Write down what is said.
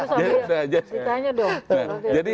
oh gitu sob ditanya dong